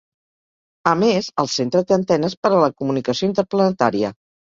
A més, el centre té antenes per a la comunicació interplanetària.